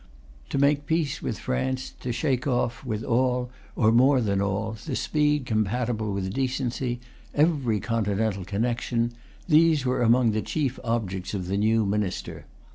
To make peace with France, to shake off, with all, or more than all, the speed compatible with decency, every Continental connection, these were among the chief objects of the new Minister.